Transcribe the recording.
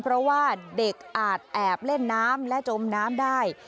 เพราะว่าเด็กอาจแอบเล่นน้ำและจมน้ำได้